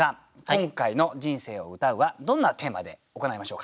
今回の「人生を詠う」はどんなテーマで行いましょうか。